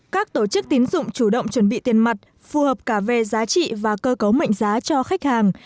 các tổ chức tín dụng chủ động chuẩn bị tiền mặt phù hợp cả về giá trị và cơ cấu mệnh giá cho khách hàng